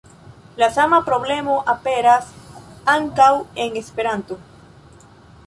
La sama problemo aperas ankaŭ en Esperanto.